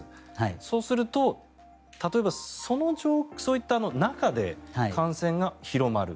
そうすると例えばそういった中で感染が広まる。